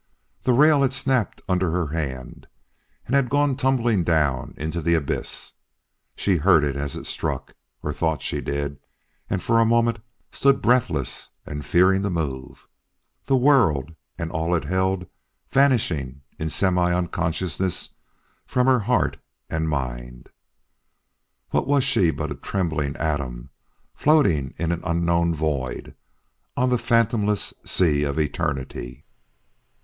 The rail had snapped under her hand and had gone tumbling down into the abyss. She heard it as it struck, or thought she did, and for a moment stood breathless and fearing to move, the world and all it held vanishing in semi unconsciousness from heart and mind. What was she but a trembling atom floating in an unknown void on the fathomless sea of eternity!